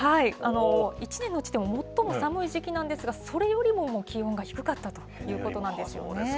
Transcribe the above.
一年のうちでも最も寒い時期なんですが、それよりも気温が低かったということなんですよね。